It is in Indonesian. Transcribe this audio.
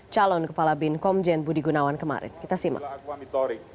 calon kepala bin komjen budi gunawan kemarin kita simak